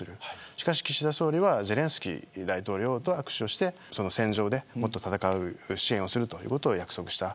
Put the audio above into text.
しかし岸田総理はゼレンスキー大統領と握手をして戦場で戦う支援をすることを約束した。